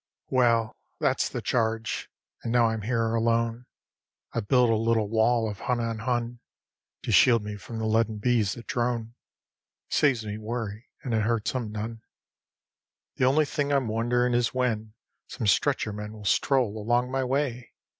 ... Well, that's the charge. And now I'm here alone. I've built a little wall of Hun on Hun, To shield me from the leaden bees that drone (It saves me worry, and it hurts 'em none). The only thing I'm wondering is when Some stretcher men will stroll along my way?